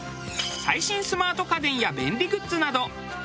最新スマート家電や便利グッズなど